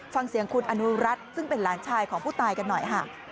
ฟังเสียงคุณอนุรัติซึ่งเป็นหลานชายของผู้ตายกันหน่อยค่ะ